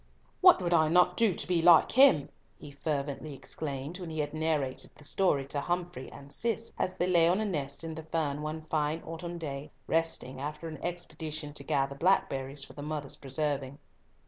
"What would I not do to be like him!" he fervently exclaimed when he had narrated the story to Humfrey and Cis, as they lay on a nest in the fern one fine autumn day, resting after an expedition to gather blackberries for the mother's preserving.